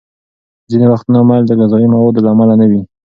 ځینې وختونه میل د غذايي موادو له امله نه وي.